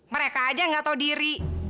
mereka aja nggak tahu diri